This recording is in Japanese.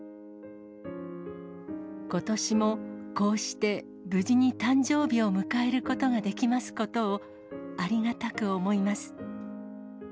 ことしもこうして無事に誕生日を迎えることができますことをありがたく思います。